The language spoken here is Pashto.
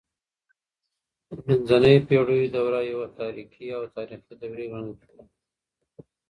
د منځنۍ پیړیو دوره یوې تاريکي او تاریخي دورې ګڼل کیږي.